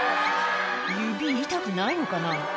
指痛くないのかな？